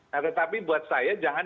nah tetapi buat saya jangan